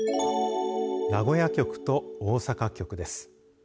名古屋局と大阪局です。